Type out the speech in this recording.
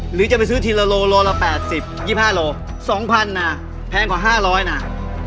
หรือจะไปซื้อทินละโลละละหกสิบยี่สิบห้าโลสองพันน่ะแพงกว่าห้าร้อยน่ะ